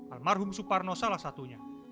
almarhum suparno salah satunya